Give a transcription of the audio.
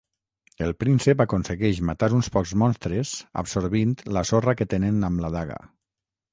El Príncep aconsegueix matar uns pocs monstres absorbint la sorra que tenen amb la daga.